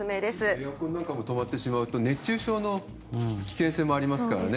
エアコンなんかも止まってしまうと熱中症の危険性もありますからね。